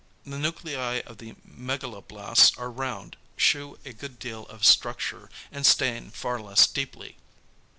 The nuclei of the megaloblasts are round, shew a good deal of structure, and stain far less deeply.